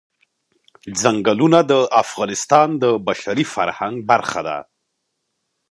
ځنګلونه د افغانستان د بشري فرهنګ برخه ده.